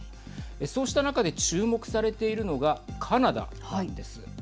そうした中で注目されているのがカナダです。